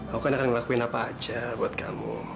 aku kan akan ngelakuin apa aja buat kamu